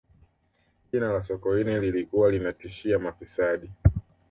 jina la sokoine lilikuwa linatishia mafisadi